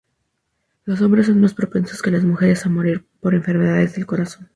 Los hombres son más propensos que las mujeres a morir por enfermedades del corazón.